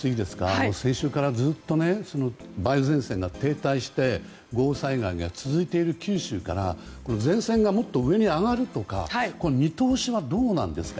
先週からずっと梅雨前線が停滞して豪雨災害が続いている九州から前線がもっと上に上がるとか見通しはどうなんですか。